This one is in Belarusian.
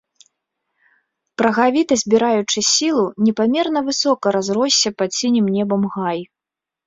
Прагавіта збіраючы сілу, непамерна высока разросся пад сінім небам гай.